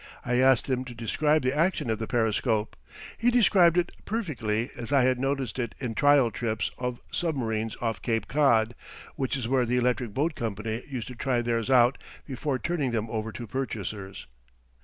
I asked him to describe the action of the periscope. He described it perfectly as I had noticed it in trial trips of submarines off Cape Cod, which is where the Electric Boat Company used to try theirs out before turning them over to purchasers.